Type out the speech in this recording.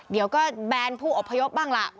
เดี๋ยวก็แบนผู้อพยพบ้างล่ะ